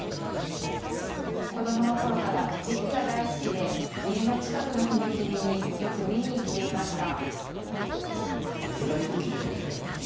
子どものころからデキが大好きで家の近くの踏切によく見に行っていました。